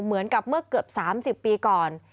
เหมือนกับเมื่อเกือบ๓๐ปีก่อน